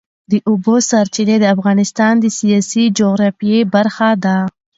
د اوبو سرچینې د افغانستان د سیاسي جغرافیه برخه ده.